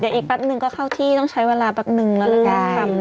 เดี๋ยวอีกปั๊ดนึงก็เข้าที่ต้องใช้เวลาปั๊ดนึงแล้วละกัน